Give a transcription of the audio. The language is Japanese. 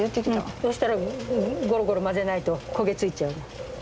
そしたらゴロゴロ混ぜないと焦げ付いちゃうの。